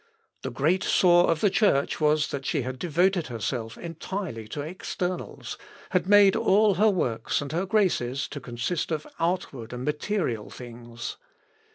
The great sore of the Church was that she had devoted herself entirely to externals; had made all her works and her graces to consist of outward and material things.